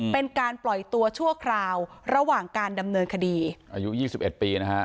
เป็นการปล่อยตัวชั่วคราวระหว่างการดำเนินคดีอายุยี่สิบเอ็ดปีนะฮะ